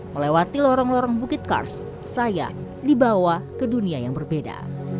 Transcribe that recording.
melewati lorong lorong bukit kars saya dibawa ke dunia yang berbeda